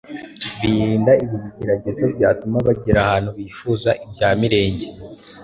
Birinda ibigeragezo byatuma bagera ahantu bifuza ibya mirenge